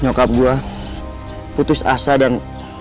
nyokap gue putus asa dan